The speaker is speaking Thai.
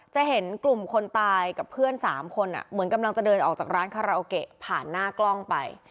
จะเห็นกลุ่มคนตายกับเพื่อน๓คนเหมือนกำลังจะเดินออกจากร้านคาราโอเกะผ่านหน้ากล้องไป